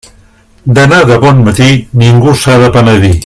D'anar de bon matí, ningú s'ha de penedir.